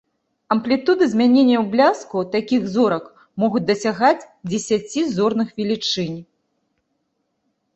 Амплітуды змянення бляску такіх зорак могуць дасягаць дзесяці зорных велічынь.